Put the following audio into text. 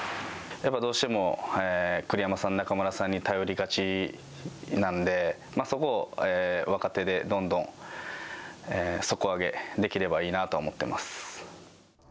やっぱどうしても栗山さんの、中村さんに頼りがちなのでそこを若手でどんどん、底上げできればいいなと思っています。